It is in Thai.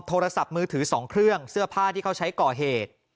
โทรศัพท์มือถือ๒เครื่องเสื้อผ้าที่เขาใช้ก่อเหตุ